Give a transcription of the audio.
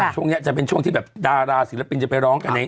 ช่วงนี้จะเป็นช่วงที่แบบดาราศิลปินจะไปร้องกันใน